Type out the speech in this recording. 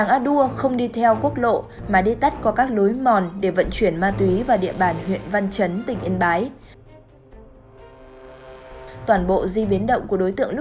nếu không được là anh em của em kênh u notable phỏng vấn cấu